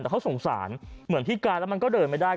แต่เขาสงสารเหมือนพิการแล้วมันก็เดินไม่ได้